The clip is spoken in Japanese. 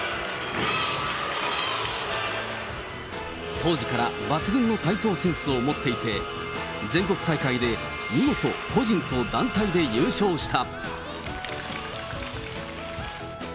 当時から抜群の体操センスを持っていて、全国大会で見事、個人と団体で優勝した。